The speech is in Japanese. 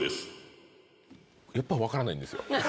やっぱ分からないんですよ。